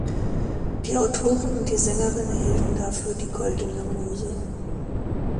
Die Autoren und die Sängerin erhielten dafür die „Goldene Muse“.